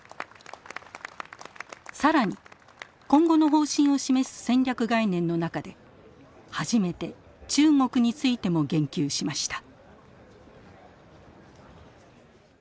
更に今後の方針を示す「戦略概念」の中で初めて中国についても言及しました。